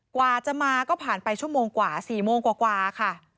กว่าจะมาก็ผ่านไปชั่วโมงกว่า๔โมงกว่าค่ะ